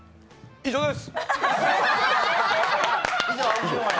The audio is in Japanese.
以上です？